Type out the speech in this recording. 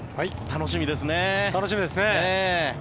楽しみですね。